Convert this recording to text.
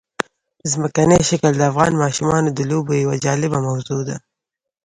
ځمکنی شکل د افغان ماشومانو د لوبو یوه جالبه موضوع ده.